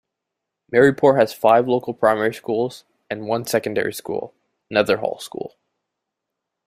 Maryport has five local primary schools, and one secondary school, Netherhall School.